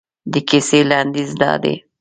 د کیسې لنډیز دادی.